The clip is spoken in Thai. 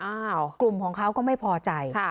อ้าวกลุ่มของเขาก็ไม่พอใจค่ะ